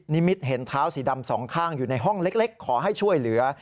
มิตเห็นเท้าสีดำสองข้างอยู่ในห้องเล็กขอให้ช่วยเหลือ